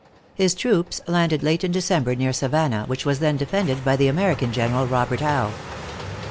His troops landed late in December near Savannah, which was then defended by the American general, Robert Howe.